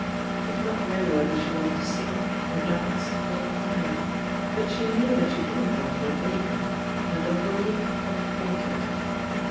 She did not know whether she wanted to sing, or dance, or cry, but she knew that she didn't want her bacon, and that the world had altered.